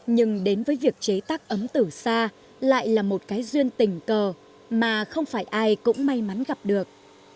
nhưng đến với việc chế tác ấm từ xa lại là một cái duyên tình cờ mà không phải ai cũng may mắn gặp được